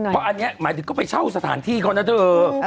เพราะอันนี้หมายถึงก็ไปเช่าสถานที่เขานะเธอ